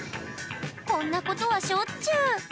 こんなことはしょっちゅう。